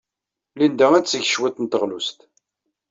Linda ad d-teg cwiṭ n teɣlust.